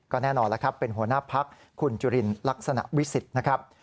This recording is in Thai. แน่นอนแล้วครับเป็นหัวหน้าพักคุณจุลินลักษณะวิสิทธิ์นะครับ